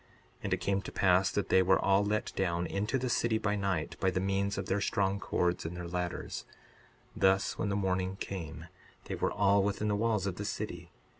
62:23 And it came to pass that they were all let down into the city by night, by the means of their strong cords and their ladders; thus when the morning came they were all within the walls of the city.